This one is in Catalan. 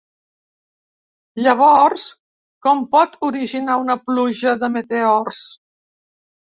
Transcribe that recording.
Llavors, com pot originar una pluja de meteors?